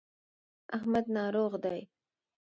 احمد ناروغ دی.